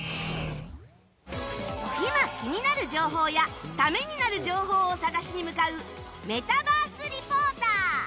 今気になる情報やためになる情報を探しに向かうメタバース・リポーター。